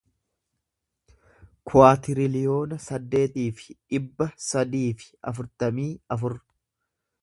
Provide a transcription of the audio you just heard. kuwaatiriliyoona saddeetii fi dhibba sadii fi afurtamii afur